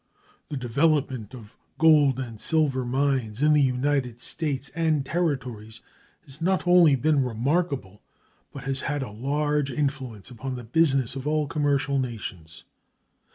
The development of gold and silver mines in the United States and Territories has not only been remarkable, but has had a large influence upon the business of all commercial nations.